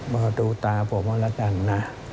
บอร์ดูตาผมว่าละกันนะ